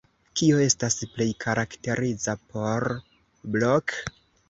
Kio estas plej karakteriza por Blok?